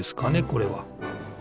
これは。